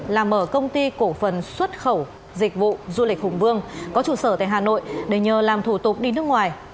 là mở công ty cổ phần xuất khẩu dịch vụ du lịch hùng vương có trụ sở tại hà nội để nhờ làm thủ tục đi nước ngoài